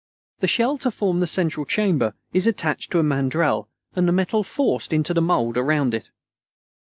The shell to form the central chamber is attached to a mandrel, and the metal forced into a mould around it.